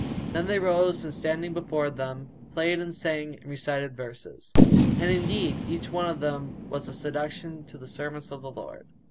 Then they rose and standing before them, played and sang and recited verses: and indeed each one of them was a seduction to the servants of the Lord.